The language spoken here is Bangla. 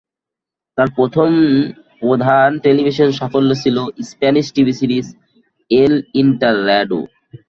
তার প্রথম প্রধান টেলিভিশন সাফল্য ছিল স্প্যানিশ টিভি সিরিজ 'এল ইন্টাররাডো'।